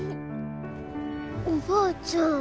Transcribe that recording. おばあちゃん